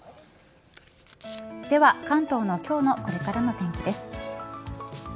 では関東の今日のこれからの天気です。